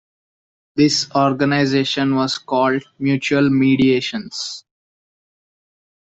This organisation was called Mutual Mediations.